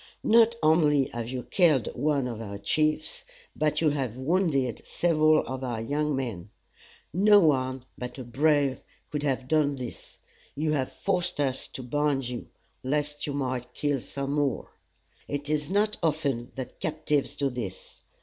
Not only have you killed one of our chiefs, but you have wounded several of our young men. No one but a brave could have done this. You have forced us to bind you, lest you might kill some more. It is not often that captives do this.